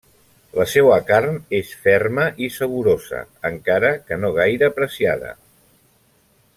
La seua carn és ferma i saborosa, encara que no gaire apreciada.